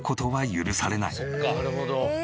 なるほど。